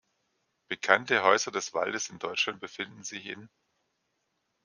Bekannte Häuser des Waldes in Deutschland befinden sich in